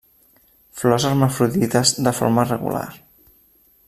Flors hermafrodites de forma regular.